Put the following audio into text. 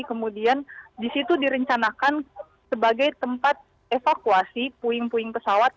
kemudian di situ direncanakan sebagai tempat evakuasi puing puing pesawat